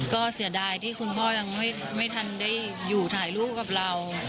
ก็เสียดายที่คุณพ่อยังไม่ทันได้อยู่ถ่ายรูปกับเรา